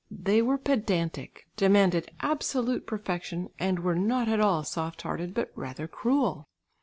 They were pedantic, demanded absolute perfection, and were not at all soft hearted, but rather cruel.